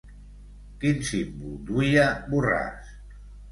Quin símbol duia Borràs?